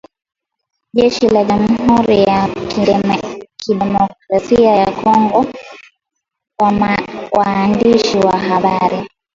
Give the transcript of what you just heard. jeshi la jamhuri ya kidemokrasia ya Kongo kwa waandishi wa habari